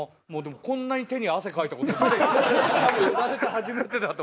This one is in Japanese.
こんなに手に汗かいたこと。